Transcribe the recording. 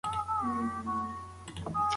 مرګ به پرېکړه بدله نه کړي.